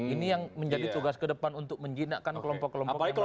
ini yang menjadi tugas ke depan untuk menjinakkan kelompok kelompok yang lain